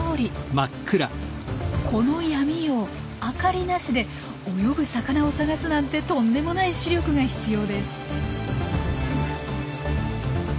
この闇夜を明かりなしで泳ぐ魚を探すなんてとんでもない視力が必要です。